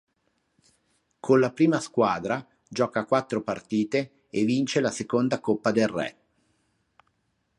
Con la prima squadra gioca quattro partite e vince la seconda Coppa del Re.